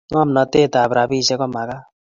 Ngomnatet ab rabisek komakat